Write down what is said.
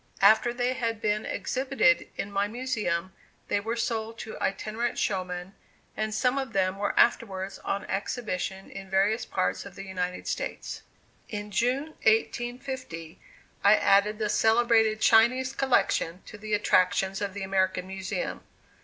After they had been exhibited in my Museum, they were sold to itinerant showmen, and some of them were afterwards on exhibition in various parts of the United States. In June 1850, I added the celebrated Chinese Collection to the attractions of the American Museum.